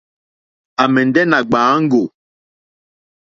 À mɛ̀ndɛ̀ nà gbàáŋgò.